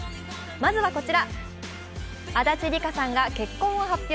まずはこちら、足立梨花さんが結婚を発表。